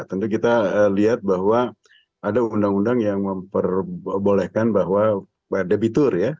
tentu kita lihat bahwa ada undang undang yang memperbolehkan bahwa debitur ya